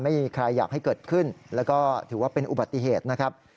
ไม่มีใครอยากให้เกิดขึ้นแล้วก็ถือว่าเป็นอุบัติเหตุนะครับ